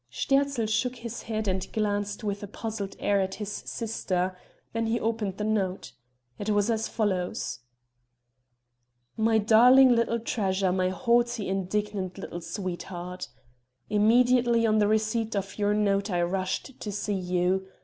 Sterzl shook his head and glanced with a puzzled air at his sister; then he opened the note. It was as follows: "My darling little treasure, my haughty indignant little sweetheart: "Immediately on the receipt of your note I rushed to see you.